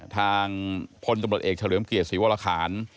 ทางพลตำรวจเอกเฉลิมเกียรติศรีวรคาร